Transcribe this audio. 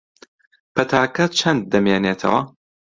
پەتاکە چەند دەمێنێتەوە؟